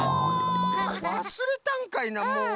わすれたんかいなもう！